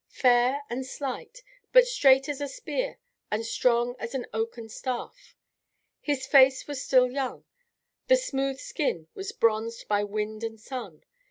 Fair and slight, but straight as a spear and strong as an oaken staff. His face was still young; the smooth skin was bronzed by wind and sun.